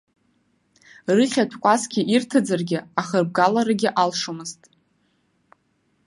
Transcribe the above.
Рыхьатә кәасқьа ирҭаӡаргьы, ахырбгаларагьы алшомызт.